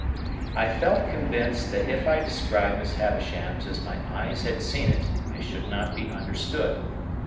I felt convinced that if I described Miss Havisham's as my eyes had seen it, I should not be understood.